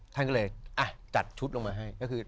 ท่านก็เลยจัดชุดลงมาให้